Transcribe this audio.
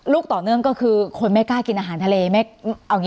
ลูกต่อเนื่องก็คือคนไม่กล้ากินอาหารทะเล